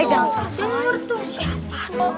eh jangan salah